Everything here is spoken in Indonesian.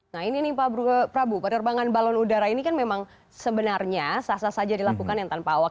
nah ini nih pak prabu penerbangan balon udara ini kan memang sebenarnya sah sah saja dilakukan yang tanpa awak